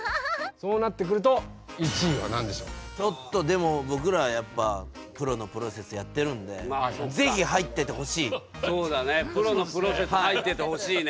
そうなってくるとちょっとでも僕らやっぱ「プロのプロセス」やってるんでそうだね。「プロのプロセス」入っててほしいね。